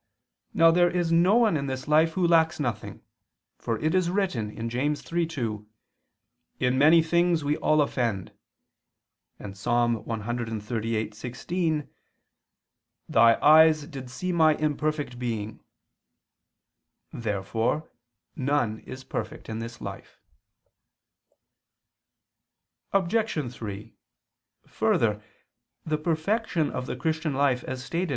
Now there is no one in this life who lacks nothing; for it is written (James 3:2): "In many things we all offend"; and (Ps. 138:16): "Thy eyes did see my imperfect being." Therefore none is perfect in this life. Obj. 3: Further, the perfection of the Christian life, as stated (A.